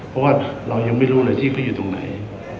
เพราะว่าเรายังไม่รู้เลยที่เขาอยู่ตรงไหน